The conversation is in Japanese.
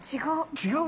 違う。